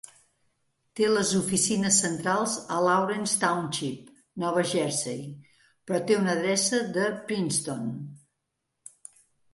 Té les oficines centrals a Lawrence Township, Nova Jersey, però té una adreça de Princeton.